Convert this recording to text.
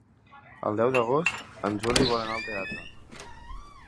El deu d'agost en Juli vol anar al teatre.